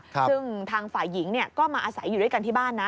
ซึ่งทางฝ่ายหญิงก็มาอาศัยอยู่ด้วยกันที่บ้านนะ